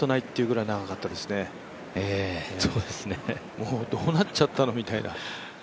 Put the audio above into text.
もうどうなっちゃったのみたいな